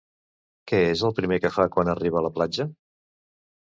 Què és el primer que fa quan arriba a la platja?